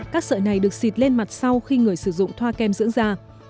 các sợi này được xịt lên mặt sau khi người sử dụng thoa kem dưỡng da